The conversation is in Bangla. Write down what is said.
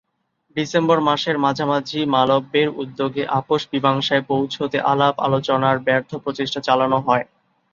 ডিসেম্বর মাসের মাঝামাঝি মালব্যের উদ্যোগে আপস-মীমাংসায় পৌঁছতে আলাপ-আলোচনার ব্যর্থ প্রচেষ্টা চালানো হয়।